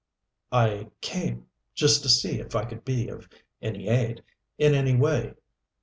"I came just to see if I could be of any aid in any way."